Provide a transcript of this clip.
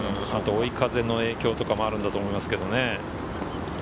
追い風の影響もあるかと思いますけどね。